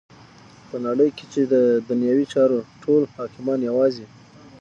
په نړی کی چی ددنیوی چارو ټول حاکمان یواځی